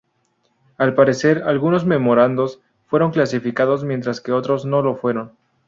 Al parecer, algunos memorandos fueron clasificados, mientras que otros no lo fueron.